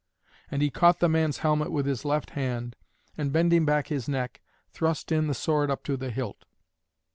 And he caught the man's helmet with his left hand, and, bending back his neck, thrust in the sword up to the hilt.